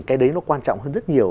cái đấy nó quan trọng hơn rất nhiều